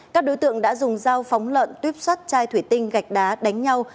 các đối tượng đã dùng dao phóng lợn tuyếp sắt chai thủy tinh gạch đá đánh nhau